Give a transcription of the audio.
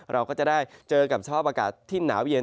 เราก็จะได้เจอกับสภาพอากาศที่หนาวเย็น